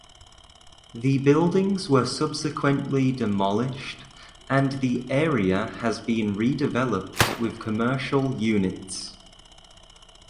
The buildings were subsequently demolished and the area has been redeveloped with commercial units.